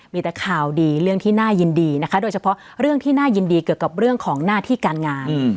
มีแต่ข่าวดีเรื่องที่น่ายินดีนะคะโดยเฉพาะเรื่องที่น่ายินดีเกี่ยวกับเรื่องของหน้าที่การงาน